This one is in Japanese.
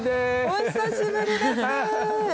お久しぶりです。